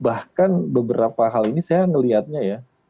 bahkan beberapa hal ini saya melihatnya ya